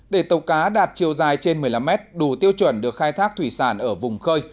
để tàu cá đạt chiều dài trên một mươi năm mét đủ tiêu chuẩn được khai thác thủy sản ở vùng khơi